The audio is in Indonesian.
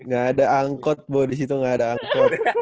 gak ada angkot boh disitu gak ada angkot